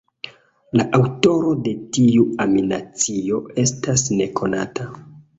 La aŭtoro de tiu animacio estas nekonata.